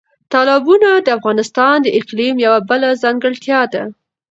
تالابونه د افغانستان د اقلیم یوه بله ځانګړتیا ده.